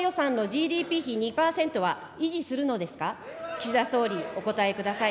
岸田総理、お答えください。